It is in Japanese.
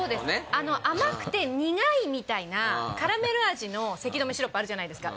あの甘くて苦いみたいなカラメル味の咳止めシロップあるじゃないですか